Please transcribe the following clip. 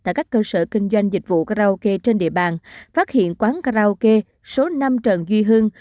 tại các cơ sở kinh doanh dịch vụ karaoke trên địa bàn phát hiện quán karaoke số năm trần duy hưng